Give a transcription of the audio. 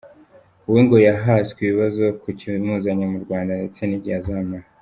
We ngo yahaswe ibibazo ku kimuzanye mu Rwanda ndetse n’igihe azahamara.